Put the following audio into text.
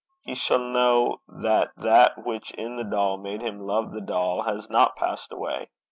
He shall know that that which in the doll made him love the doll, has not passed away.